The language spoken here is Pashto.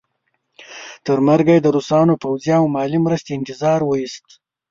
تر مرګه یې د روسانو پوځي او مالي مرستې انتظار وایست.